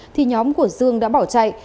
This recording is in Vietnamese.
thì nhóm của dương đã bỏ chạy